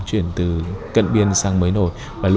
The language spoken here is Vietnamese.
chuyển từ cận biên sang mới nổi